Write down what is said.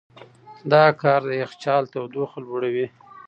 دا کار د یخچال تودوخه لوړوي.